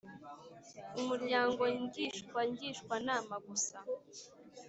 umuryango ngishwagishwa nama gusa